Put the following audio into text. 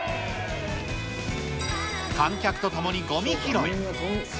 観客と共にごみ拾い。